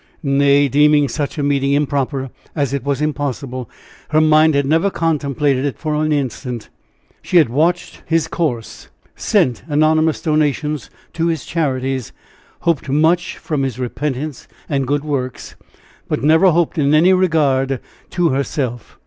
Nay, deeming such a meeting improper as it was impossible, her mind had never contemplated it for an instant. She had watched his course, sent anonymous donations to his charities, hoped much from his repentance and good works, but never hoped in any regard to herself.